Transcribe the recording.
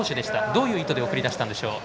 どういう意図で送り出したんでしょう。